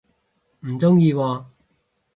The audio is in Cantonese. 唔鍾意喎